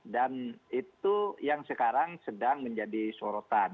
dan itu yang sekarang sedang menjadi sorotan